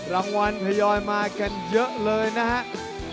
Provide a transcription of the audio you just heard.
รางวัลทยอยมากันเยอะเลยนะครับ